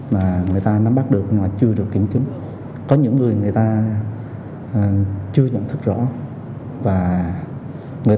vấn đề nắm bắt được nhưng chưa được kiểm chứng có những người người ta chưa nhận thức rõ và người